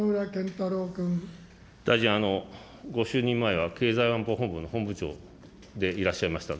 大臣、ご就任前は経済安保本部の本部長でいらっしゃいました。